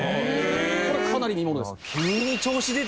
これかなり見ものですね。